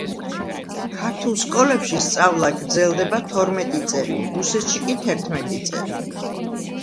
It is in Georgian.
ქართულ სკოლებში სწავლა გრძლდება თორმეტი წელი, რუსეთში კი თერთმეტი წელი.